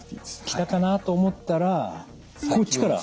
きたかなと思ったらこっちから？